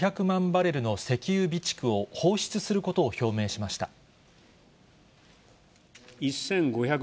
１５００万バレルの備蓄を放出することといたしました。